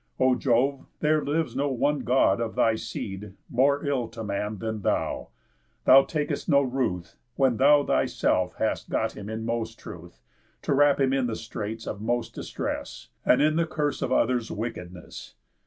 O Jove, there lives no one God of thy seed More ill to man than thou. Thou tak'st no ruth— When thou thyself hast got him in most truth— To wrap him in the straits of most distress, And in the curse of others' wickedness.